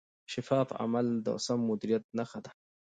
شفاف عمل د سم مدیریت نښه ده.